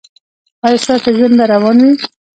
ایا ستاسو ژوند به روان وي؟